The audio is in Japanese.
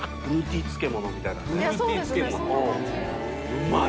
うまい！